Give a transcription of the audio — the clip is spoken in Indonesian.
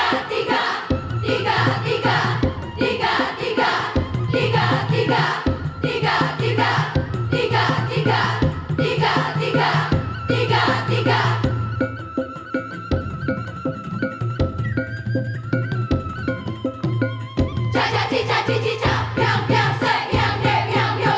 memang sepanjang hidupku